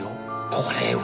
これは。